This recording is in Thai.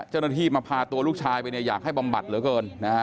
เจ้าหน้าที่มาพาตัวลูกชายไปเนี่ยอยากให้บำบัดเหลือเกินนะฮะ